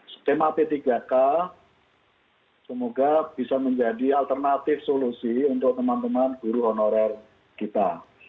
skema p tiga k semoga bisa menjadi alternatif solusi untuk teman teman guru honorer kita